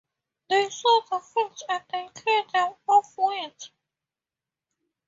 They sow the fields and they clear them of weeds.